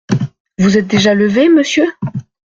Vous êtes déjà levé, monsieur ?